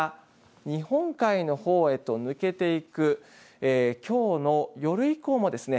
台風中心が日本海のほうへと抜けていくきょうの夜以降もですね